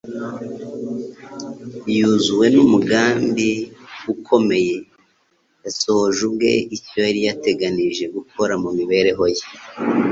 Yuzuwe n'umugambi ukomeye, Yasohoje ubwe icyo Yari yateganije gukora mu mibereho Ye